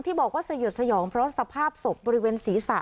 ที่บอกว่าสยดสยองเพราะสภาพศพบริเวณศีรษะ